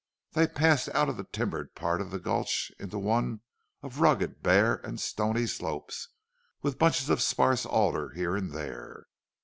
They passed out of the timbered part of the gulch into one of rugged, bare, and stony slopes, with bunches of sparse alder here and there.